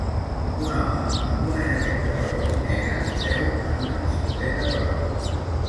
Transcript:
Un home amb una jaqueta groga i negra seu en una bicicleta groga